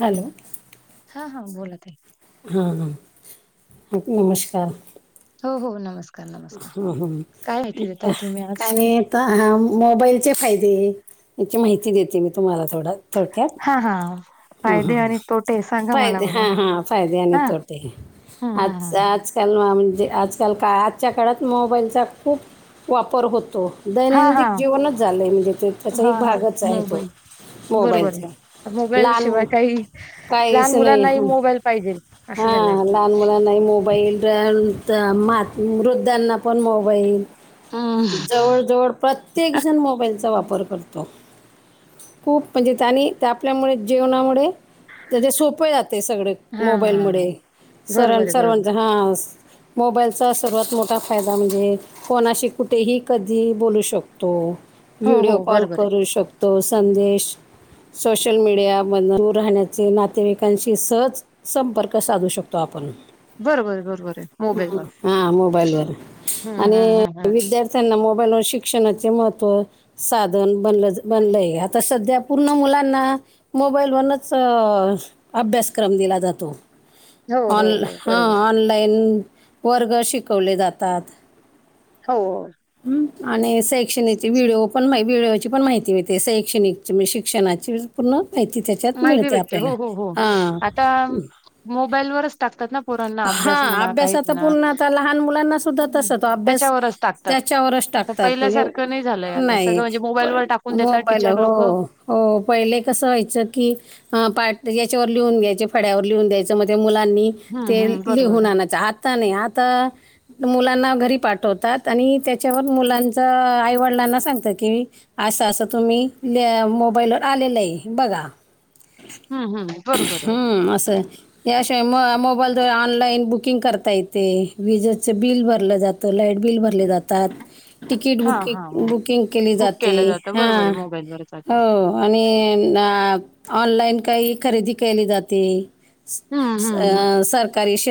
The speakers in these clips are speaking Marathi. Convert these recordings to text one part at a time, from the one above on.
हॅलो हा हा बोलत आहे हां हां नमस्कार हो हो नमस्कार नमस्कार ह काय माहिती ह देताय तुम्ही आज आणि आता मोबाईलचे फायदे याची माहिती देते मी तुम्हाला थोडं हा हा थोडक्यात फायदे आणि तोटे सांगा मला फायदे बरं हा हा फायदे आणि हा तोटे हम् हम अज हम ह आज काल म्हणजे आजकाल का आजच्या काळात मोबाईलचा खूप वापर होतो हा दैनंदन हा जीवनच झालंय म्हणजे ते त्याचा हा एक हा भागच आहे तो मोबाईलचा लहान मोबाईलशिवाय मु- काही लहान काहीच नाही मुलांनाही हां मोबाईल पाहिजे असं झालंय हां लहान मुलांना मोबाईल मात मृद्धांना पण मोबाईल हम्म जवळ जवळ प्रत्येक जण मोबाईलचा वापर करतो खूप म्हणजे त्यांनी ते आपल्यामुळे जेवणामुळे तर ते सोप जाते सगळ हा मोबाईल मु सरां बरोबर आहे बरोबर सर्वांच हा मोबाईल. त्याचा सर्वात मोठा फायदा म्हणजे, कोणाशी कुठेही कधी बोलू शकतो. हो व्हिडिओ हो कॉल बरोबर आहे करू शकतो. संदेश सोशल मीडिया मधन दूर राहण्याचे नातेवाईकांशी सहज, संपर्क साधू शकतो. आपण बरोबर बरोबर आहे मोबाईल वर. हा मोबाईल वर, हम्म आणि हम्म हम्म हम्म विद्यार्थ्यांना मोबाईलवर शिक्षणाचे महत्त्व. साधन बनल बनलय, आता सध्या पूर्ण मुलांना. मोबाईल वरनच अभ्यासक्रम दिला जातो. हो ऑन हो हो हा बरोबर आहे ऑन लाइन वर्ग शिकवले जातात. हो हो. आणि शैक्षणिकची व्हिडीओ पण व्हिडिओची पण माहिती मिळते. शैक्षणिकची म्हणजे शिक्षणाची. पूर्ण माहिती त्यांच्यात माहिती मिळते भेटते आपल्याला हो हो हो हा.. आता मोबाईलवरच. टाकतात ना पोरांना हा अभ्यास म्हणा काही अभ्यासाचा म्हणा पुन्हा आता लहान मुलांना सुद्धा तसं तो अभ्यास त्यांच्यावरच टाक तात त्याच्यावरच आता टाकतात म्हणजे पहिल्यासारखं नाही झालंय, आता नाही सगळं म्हणजे पण मोबाईलवर टाकून देतात मोबाईल टीचर हो लोक. हो. पहिले कसं व्हायचं की, ह पाठ याच्यावर लिहून द्यायचे, फळ्यावर लिहून द्यायचं मग ते मुलांनी. हम्म ते हम्म बरोबर लिहून आहे आणच आता, नाही आता मुलांना घरी पाठवतात आणि त्याच्यावर मुलांचं आईवडिलांना सांगतात की, असं असं तुम्ही, मोबाईलवर आलेलं आहे बघा. हम्म हम्म बरोबर आहे हम्म असं, याशिवाय मोबाईल. ऑनलाईन बुकिंग करता येते, विजेच बिल भरलं जात लाईट बिल भरले जातात. तिकीट हा हा बुकिंग बुकिंग केली बुक जाते. केलं जातं हा बरोबर आहे मोबाईलवरच आता हो आणि ऑनलाईन काही खरेदी केली जाते. हम्म हम्म अ सर,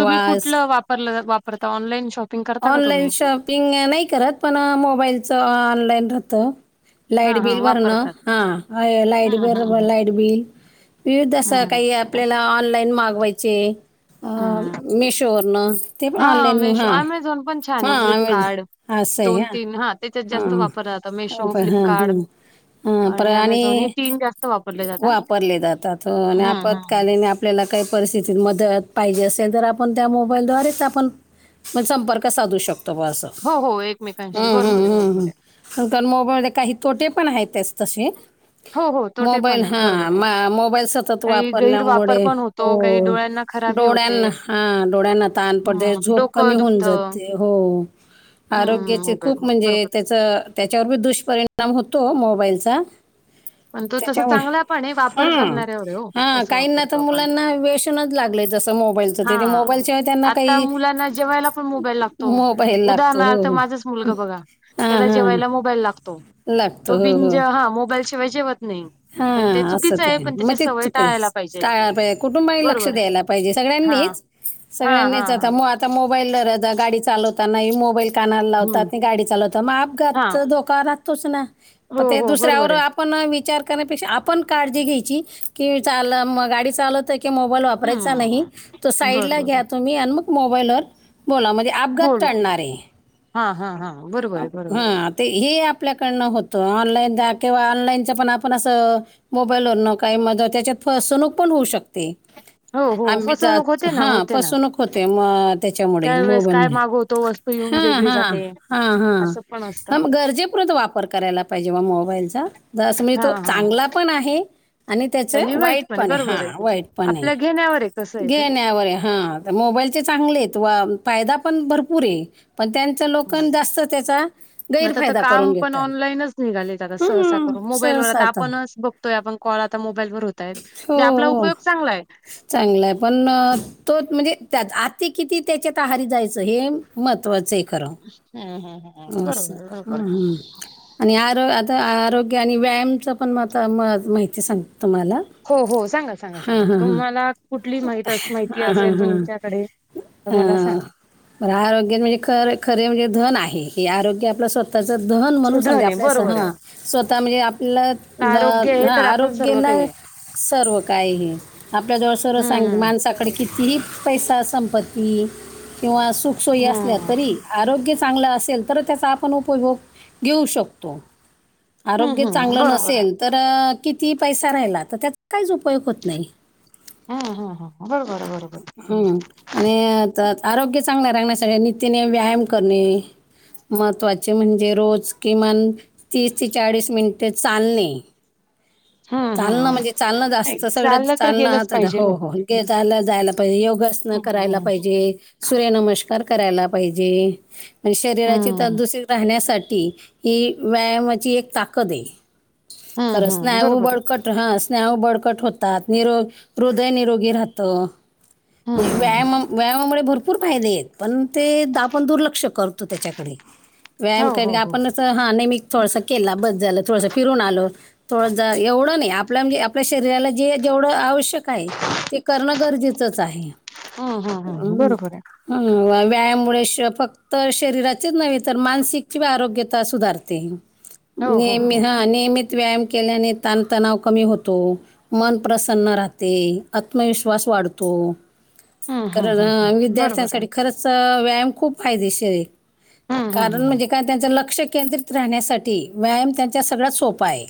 तुम्ही कुठलं वापर वापरता, ऑनलाईन शॉपिंग करता का ऑनलाईन तुम्ही. शॉपिंग नाही करत पण, मोबाईलच ऑनलाईन राहतं. हा लाईट हा बिल भरणं, वापरतात हा लाईट हम्म बर हम्म लाईट बिल. विविध अस हम्म हम्म काही आपल्याला ऑनलाईन मागवायचे. अ हम्म मिशोवरन ते, पण हा ऑनलाईन मेशो हा, अमेझॉन पण छान हा आहे अमॅझोन. फ्लिपकार्ट असेय हां, त्याच्यात जास्त हं वापरला जातो. हं [unintelligible] ह आणि प्राणी हे जास्त वापरले जातात. वापरले जातात, हं, आणि हं, हं. आपत्कालीन अॅप. आपल्याला काही परिस्थितीत मदत पाहिजे असेल, तर आपण त्या मोबाईलद्वारेच आपण. संपर्क साधू शकतो ब असं. हो हो, एकमेकांशी हम्म, बरोबर आहे हम्म, हम्म, बरोबर आहे. हम्म. कारण मोबाईलने काही, तोटे पण आहेत तसे हो, हो. तोटे पण मोबाईल आहेत. हा बरोबर आहे. मोबाईल सतत काही गैरवापर वापरल्यामुळे पण हो. होतो, काही डोळ्यांना खराबी होते. डोळ्यांना हा डोळ्यांना तानपडद हं, झोप डोकं कमी होऊन दुखतं. जाते. हो हं, आरोग्याचे खूप मोबाईलमुळे. म्हणजे बरोबर आहे. त्याच त्याच्यावरी दुष्परिणाम होतो. मोबाईलचा [unintelligible] पण तो तसा त्यांच्यामुळे चांगला पण आहे, वापर हम, करणाऱ्यावर आहे हो, हा कसं काहींना तर वापरतो आपण. मुलांना वेशनच लाग लागलंय तसं मोबालच हां, मोबाईल शिवाय त्यांना आता काही मुलांना जेवायला पण मोबाईल लागतो. मोबाईल उदाहरणार्थ लागतो. माझाच मुलगा बघा, हा त्याला हा जेवायला मोबाईल लागतो. तो लागतो बिन जेवा हा मोबाईल शिवाय जेवत नाही. हा पण असं चुकीचं ते आहे. पण मग त्याची ते सवय चुकये टाळायला पाहिजे. काय बाय. कुटून बाई कुटुंबानी लक्ष बरोबर आहे द्यायला पाहिजे हा सगळ्यांनीच. हा हा सगळ्यांनीच हा आता मोबाईल, र गाडी चालवता ना ही मोबाईल. कानाला हम्म लावतात गाडी चालवतात मग हा अपघात धोका राहतोच ना, हो ते हो दुसऱ्यावर बरोबर आहे. आप पण विचार करण्यापेक्षा आपण काळजी घ्यायची. की चालव गाडी चालवतोय की, तु् मोबाईल वापरायचा हम्म नाही, तो साईडला बरोबर आहे घ्या तुम्ही मग मोबाईल वर बोला म्हजें अपघात बोलू टळणार ये हा हा हा बरोबर आहे बरोबर हा ते हे आपल्याकडनं होतं ऑनलाईन द्या किंवा ऑनलाईनच पण आपण असं मोबाईलवरन काही म त्याच्यात फसवणूक पण होऊ शकते. आहे हो हो आम्ही फसवणूक होते ना हा होते ना फसूनक होते म त्याच्यामुळे मोबाईल मुळे त येऊन वेगळी जाते. हा हा असं पण असतं ह गरजेपुर्ंत वापर करायला पाहिजे मोबाईलचा ज मी हा तो हा चांगला पण आहे आणि त्याच वाईट पण आहे हा वाईट पण आहे. आपल्या घेण्यावर आहे कसं आहे. ते. घेण्यावर हा मोबाईलचे चांगले आहेत व फायदा पण भरपूर आहे पण त्यांच लोक हं. जास्त त्याचा आता तर गैरफायदा करून काम पण घेतात. ऑनलाईनच निघालेत सहसा हं, कर मोबाईलवर सहसा आता आपणच बघतोय आपण कॉल आता मोबाईल वर होतय. हो चांगलंय पण तो म्हणजे त्यात आती किती त्याच्यात आहारी जायचं हे महत्त्वाचं आहे. खरं हम्म हम्म हम्म अस बरोबर हा बरोबर. हा आणि आरो आता आरोग्य आणि व्यायामच पण म म माहिती सांगते तुम्हाला हो हो सांगा सांगा हां सांगा हां हां तुम्हाला कुठली माहिती असेल तुमच्याकडे तर मला सांगा आरोग्या म्हणजे खर खरे म्हणजे धन आहे हे आरोग्य आपलं स्वत च दहन म्हणून समजे धन आहे आपल्यास बरोबर हा आहे स्वतः म्हणजे आपल्या आरोग्य आहे ह तर आपण आरोग्य सर्व काही आहे. सर्व काय हे आपल्या जवळ सर्व सांग मा हम्म माणसाकडे किती ही पैसा संपत्ती किंवा सुखसोयी असल्या हम्म. तरी आरोग्य चांगलं असेल. तर त्याचा आपण उपभोग घेऊ शकतो हम्म आरोग्य हम्म हम्म चांगलं बरोबर आहे नसेल तर किती पैसा राहिला तर त्याचा काहीच उपयोग होत नाही. हा हा हा बरोबर बरोबर बरोबर हम्म आणि आरोग्य चांगलं रागण्यासाठी नित्याने व्यायाम करणे. महत्त्वाचे म्हणजे रोज किमान तीस ते चाळीस मिनिटे चालणे. हम्म चालं हम्म. म्हणजे चालं नाही जास्त सगळं चाललं तर चाल गेलंच हो पाहिजेल ओ. होला जायला. पाहिजे योग सन करायला हम्म पाहिजे. सूर्य नमस्कार करायला पाहिजे. म्हणजे शरीराची हम्म तंदुस्त राहण्यासाठी ही व्यायाम ची एक ताकद आहे हम्म हम्म बरोबर कट हा स्नायू बडकट होतात निरो हृदय निरोगी राहतं. हम्म हम्म. व्यायाम व्यायामामुळे भरपूर फायदे आहेत. पण ते आपण दुर्लक्ष करतो त्याच्याकडे व्यायाम हो कधी हो हो आपणच हा नेहमी थोडांसा केला बस झालं थोडं फिरून आलो. थोडं ज एवढं नाही आपल्या म्हणजे आपल्या शरीराला जे जेवढं आवश्यक काय ते करणं गरजेचंच आहे. हम्म हम्म बरोबर आहे व्यायाममुळे श फक्त शरीराचेच नव्हे तर मानसिकची आरोग्यता सुधारते. हो हो निम हो हा नियमित व्यायाम केल्याने ताणतणाव कमी होतो. मन प्रसन्न राहते. आत्मविश्वास वाढतो. हम्म हम्म कारण हम्म ह हम्म बरोबर आहे विद्यार्थ्यांसाठी खरंच अस व्यायाम खूप फायदेशीर आहे हम्म हम्म कारण हम्म म्हणजे का त्यांच लक्ष केंद्रित राहण्यासाठी व्यायाम त्यांच्या सगळ्यात सोपां आहे.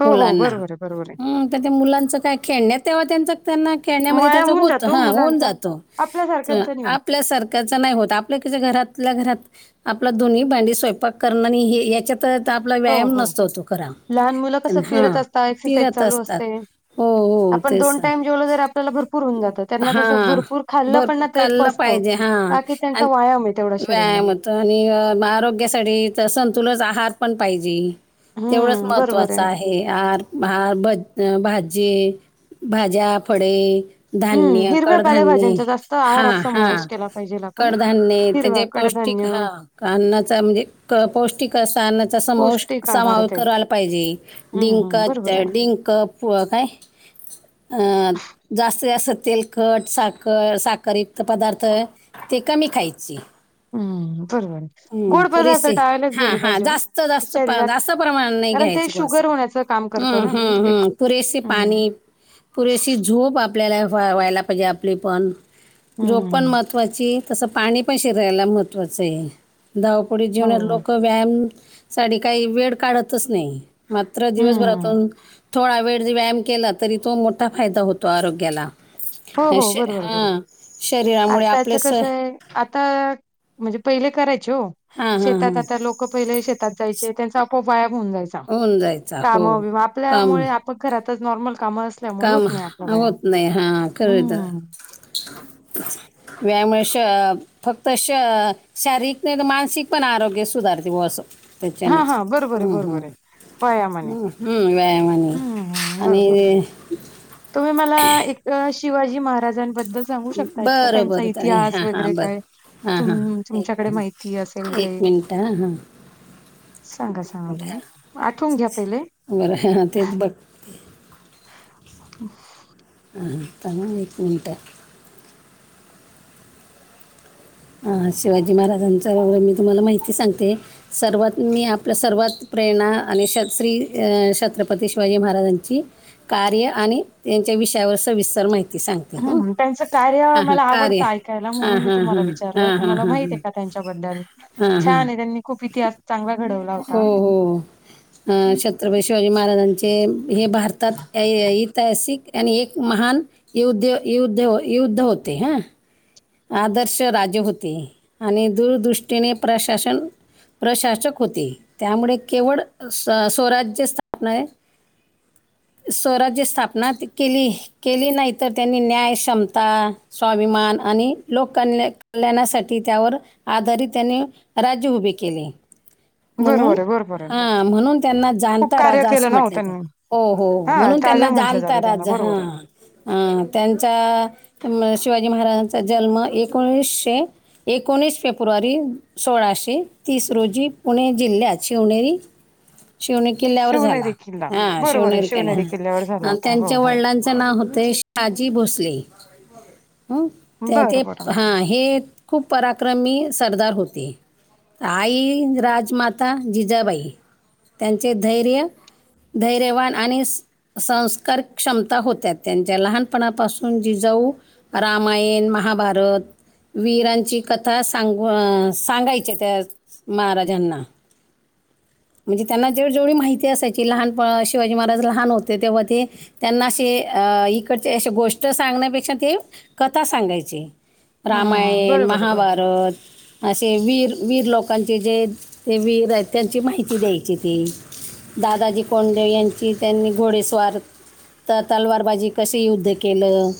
हो हो मुलांना बरोबर आहे बरोबर आहे हम् तर त्या मुलांच काय खेळण्यात तेव्हा त्यांच त्यांना खेळण्यामध्ये वाया त्यांच होऊन होत जातो ह होऊन मुलांचा जात आपल्या आपल्यासारख्यांचा नाही सारखं होत आपल्या सारख्या च नाही होत घरातल्या घरात आपली धुनी भांडी स्वयपाक करन आणि याच्यात तर आपला हो व्यायाम हो नसतो तो खरा. लहान मुलं कसं फिरत असतात एक्सरसाइज चालू असतात असते. हो हो आपण तेच दोन ना. टाईम जेवलं जर आपल्याला भरपूर होऊन जातं त्यांना तसं हां. भरपूर खाल्लं पण भरपूर ते खाल्लं पचतं पाहिजे हा बाकी आणि त्यांचा व्यायाम आहे तेवढा शरीराला व्यायाम आणि आरोग्यासाठी तर संतुलच आहार पण पाहिजे तेवढंच हम्म महत्त्वाच बरोबर आहे हे आर आर भाजी, भाज्या, फळे हम्म धान्य हिरव्या कडधान्य पालेभाज्यांचा जास्त हा आहारात हा समावेश केला पाहिजेल आपण कडधान्य हिरवा त्याचेे पौष्टिक कडधान्य हा अन्नाचा म्हणजे पौष्टिक अस अन्नाचा समाश पौष्टिक आहार आहे समावेश त्याचा करा पाहिजे हम्म, डिंक हम्म. बरोबर आहे. डिंक काय अं जास्त जास्त तेलखट साखर साखरयुक्त पदार्थ ते कमी खायची हम्म, बरोबर आहे. हम्म गोड पदार्थ पुरेसे टाळायलाच हा गेले हा पाहिजे ना, जास्त जास्त शरीरात. जात प्रमाण नाही कारण ते घ्यायच बस शुगर होण्याचं काम हम्म करतं ना हम्म एक. हम् पुरेसे हं, पाणी पुरेशी झोप आपल्याला व व्हायला पाहिजे आपली पण झोप पण हं. महत्त्वाची तसं पाणी पण शिरायला महत्त्वाचं आहे धावपुडी जेवण्यात हो. लोकं व्यायाम साठी काही वेळ काढतच नाही मात्र हं. दिवसभरातून थोडा वेळ व्यायाम केला तरी तो मोठा फायदा होतो आरोग्याला हो, अ हो. बरोबर, बरोबर. हा शरीरामुळे आपले आत्ताचं स कसं आहे, आता म्हणजे पहिले करायचे हो हा हा शेतात आता लोक पहिले शेत शेतात जायचे त्यांचा आपोआप व्यायाम होऊन जायचा. होऊन जायचा हो काम बीम काम आपल्यामुळे ग घरातच नॉर्मल काम काम होत नाही हा कर द हं. [unintelligible] व्यायाम श फक्त श शारीरिक नाही तर मानसिक पण आरोग्य सुधारते व असं हां, त्याचानेच हां. बरोबर आहे, हम्म बरोबर आहे. हम्म व्यायामाने. हम्म हम्म व्यायामने हं, हं. आणि बरोबर. तुम्ही मला एक शिवाजी महाराजां बद्दल सांगू शकता का बरं त्यांचा बरं ताई इतिहास हां वगैरे हां काय? बरं हां हां तुम एक तुमच्याकडे माहिती असेल मिनिट काही एक मिनिट हां हां सांगा एक सांगा मिनिट हां मला आठवून घ्या पहिले बरं हां तेच बघ [unintelligible] ह थांब ह एक मिनटं हां शिवाजी महाराजांच्या मी तुम्हाला माहिती सांगते सर्वात मी आपलं सर्वात प्रेरणा आणि श्री छत्रपती शिवाजी महाराजांची कार्य आणि त्यांच्या विषयावर सविस्तर माहिती सांगते हं ह त्यांचं कार्य हां हां मला कार्य आवडतं ऐकायला हां म्हणून मी हां तुम्हाला हां विचारलं हां हां तुम्हाला हां माहित आहे हां का त्यांच्याबद्दल हां हां छान आहे त्यांनी खूप इतिहास चांगला घडवला हो होता. हो अ छत्रपती शिवाजी महाराजांचे हे भारतात ऐतिहासिक आणि एक महान युद्ध युद् युद्ध होते हा आदर्श राजे होते आणि दूरदृष्टीने प्रशासन प्रशासक होती त्यामुळे केवळ स्वराज्य स्थापना आहे स्रा्य स्थापना केली केली नाही तर त्यांनी न्यायक्ष्षमता स्वाभिमान आणि लोककल्या कल्याणासाठी त्यावर आधारित त्यांनी राज्य उभे केले म्हणून बरोबर आहे बरोबर आहे. ह म्हणून त्यांना खूप जाणता कार्य राजा असे केलं ना हो म्हटले ते त्यांनी. हो हो हा म्हणून त्यांना ताजा म्हटलं जाणता जाते त्यांना राजा हा बरोबर आहे. अं त्यांचा शिवाजी महाराजांचा जन्म एकोणीसशे एकोणीस फेब्रुवारी सोळाशे तीस रोजी पुणे जिल्ह्यात शिवनेरी शिवणी किल्ल्यावर झाला शिवनेरी किल्ला हा बरोबर आहे शिवनेर शिवनेरी किल्ल्यावर झाला किला होता हो त्यांच्या हो. वडलां नाव होते शाजी भोसले. त्या ते बरं बरं हा हे खूप पराक्रमी सरदार होते. आई राजमाता जिजाबाई त्यांचे धैर्य धैर्यवान आणि संस्कार क्षमता होत्या त्यांच्या लहानपणापासून जिजाऊ रामयण, महाभारत वीरांची कथा सांग सांगायचे त्या, महाराजांना. म्हणजे त्यांना जेव्हा जेवढी माहिती असायची लहान प शिवाजी महाराज लहान होते तेव्हा ते त्यांना असे अ इकडचे अ गोष्ट सांगण्यापेक्षा ते कथा सांगायचे. हं हं. रामायण, बरोबर आहे बरोबर. महाभारत असे वीर वीर लोकांचे जे ते वीर त्यांयांची माहिती द्यायची ती दादाजी कोंडे यांची त्यांनी घोडेस्वार तर तलवारबाजी कशी युद्ध केलं!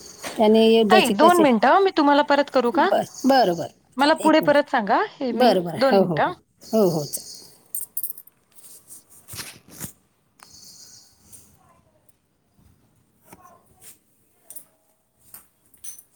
आणि त दोन मिनटं मी तुम्हाला परत करू का बरं बरं बरं मला चालेल एक पुढे मिनिट परत सांगा मी बरं बरं दोन हो हो हो मिनट हो हो!